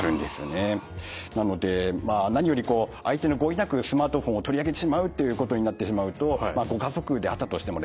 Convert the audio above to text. なので何より相手の合意なくスマートフォンを取りあげてしまうっていうことになってしまうとご家族であったとしてもですね